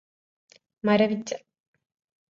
മരവിച്ച